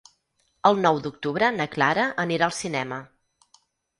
El nou d'octubre na Clara anirà al cinema.